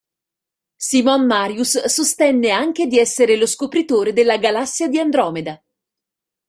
Simon Marius sostenne anche di essere lo scopritore della Galassia di Andromeda.